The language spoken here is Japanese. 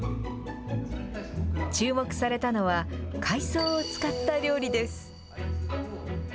注目されたのは、海藻を使った料理です。